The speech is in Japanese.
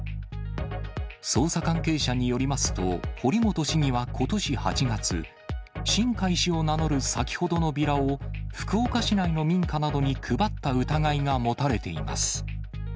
捜査関係者によりますと、堀本市議はことし８月、新開氏を名乗る先ほどのビラを、福岡市内などの民家に配った疑いが持たれています。